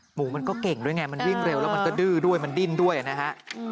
หมูมันก็เก่งด้วยไงมันวิ่งเร็วแล้วมันก็ดื้อด้วยมันดิ้นด้วยนะฮะ